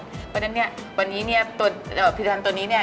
เพราะฉะนั้นเนี่ยวันนี้เนี่ยตัวพิธานตัวนี้เนี่ย